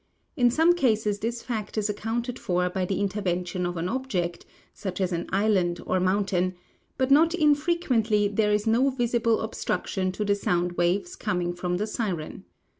In some cases this fact is accounted for by the intervention of an object, such as an island or mountain, but not infrequently there is no visil)le obstruction to the sound waves coming from the siren.